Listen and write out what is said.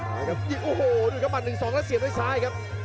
โอ้โหดูกับมันหนึ่งสองแล้วเสียบด้วยซ้ายครับ